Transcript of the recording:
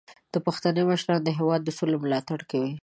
پښتني مشران د هیواد د سولې ملاتړ کوي.